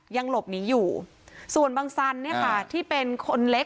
ยังหลบหนีอยู่ส่วนบังสันเนี่ยค่ะที่เป็นคนเล็ก